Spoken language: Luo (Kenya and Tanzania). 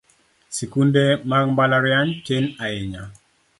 Sikunde mag mbalariany tin ahinya